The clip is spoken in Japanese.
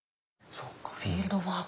そうかフィールドワーク。